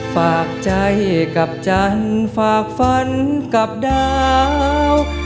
ฝากใจกับจันทร์ฝากฝันกับดาว